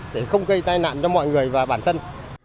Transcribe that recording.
để không gây tai nạn cho mọi người và bản thân